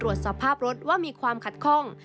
สภาพรถว่ามีความขัดข้อง